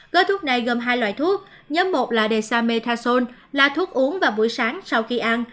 gói thuốc này gồm hai loại thuốc nhóm một là desa metason là thuốc uống vào buổi sáng sau khi ăn